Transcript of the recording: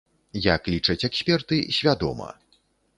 Як лічаць эксперты, свядома.